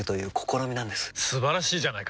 素晴らしいじゃないか！